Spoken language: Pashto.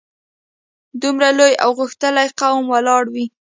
دومره لوی او غښتلی قوم ولاړ وي.